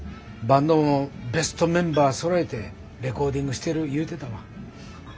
バンドもベストメンバーそろえてレコーディングしてる言うてたわ。